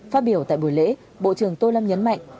phát biểu tại buổi lễ bộ trưởng tô lâm nhấn mạnh